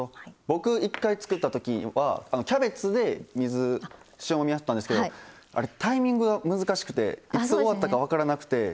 僕、一回作ったときはキャベツで塩もみやったんですけどあれ、タイミングが難しくていつ、終わったか分からなくて。